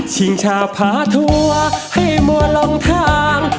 ชิงชาพาทัวร์ให้มัวลองทาน